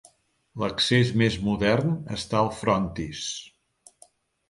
L'accés més modern està al frontis.